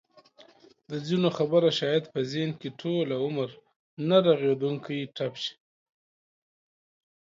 د ځینو خبره شاید په ذهن کې ټوله عمر نه رغېدونکی ټپ شي.